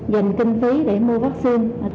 dành kinh phí để mua vaccine